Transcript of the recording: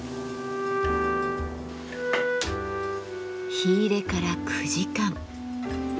火入れから９時間。